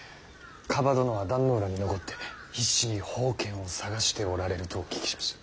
蒲殿は壇ノ浦に残って必死に宝剣を捜しておられるとお聞きしました。